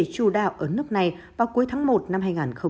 và có thể trù đạo ở nước này vào cuối tháng một năm hai nghìn hai mươi hai